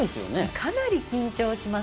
かなり緊張します。